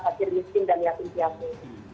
khasir miskin dan yatim siapu